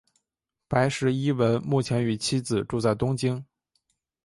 白石一文目前与妻子住在东京。